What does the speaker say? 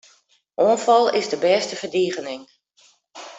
Oanfal is de bêste ferdigening.